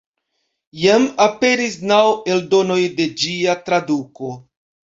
Jam aperis naŭ eldonoj de ĝia traduko.